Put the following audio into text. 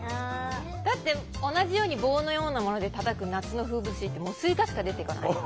だって同じように棒のようなものでたたく夏の風物詩ってもうスイカしか出てこない。